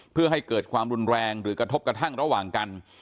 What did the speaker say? เพื่อให้เกิดความรุนแรงหรือกระทบกระทั่งระหว่างกัน